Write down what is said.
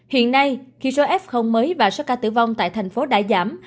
hiện nay khi số f mới và số ca tử vong tại thành phố đã giảm